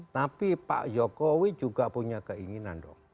tapi pak jokowi juga punya keinginan dong